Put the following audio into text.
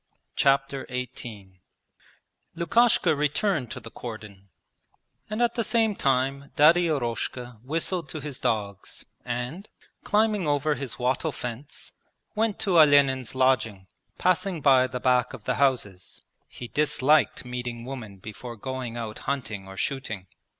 Chapter XVIII Lukasha returned to the cordon and at the same time Daddy Eroshka whistled to his dogs and, climbing over his wattle fence, went to Olenin's lodging, passing by the back of the houses (he disliked meeting women before going out hunting or shooting).